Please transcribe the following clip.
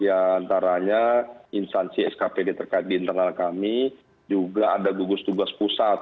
di antaranya instansi skpd terkait di internal kami juga ada gugus tugas pusat